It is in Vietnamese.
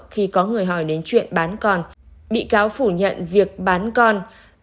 khi có người hỏi đến chuyện bán con bị cáo phủ nhận việc bán con